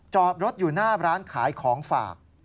จอดรถอยู่หน้าร้านขายของฝาก